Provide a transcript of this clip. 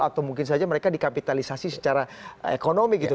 atau mungkin saja mereka dikapitalisasi secara ekonomi gitu